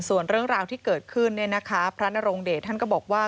ส่วนเรื่องราวที่เกิดขึ้นพระนรงเดชท่านก็บอกว่า